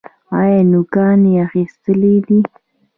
ایا نوکان یې اخیستي دي؟